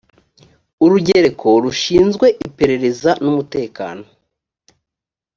urugereko rushinzwe iperereza n umutekano